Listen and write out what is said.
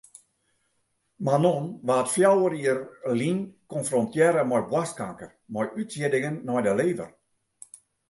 Manon waard fjouwer jier lyn konfrontearre mei boarstkanker mei útsieddingen nei de lever.